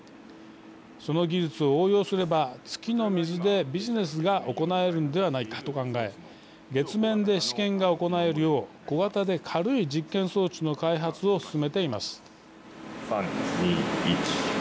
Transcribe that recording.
その技術を応用すれば月の水でビジネスが行えるのではないかと考え月面で試験が行えるよう小型で軽い実験装置の開発を進めています。